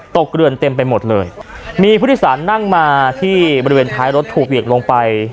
เกลือนเต็มไปหมดเลยมีผู้โดยสารนั่งมาที่บริเวณท้ายรถถูกเหวี่ยงลงไป